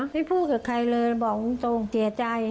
พูดกับใครเลยบอกตรงเสียใจ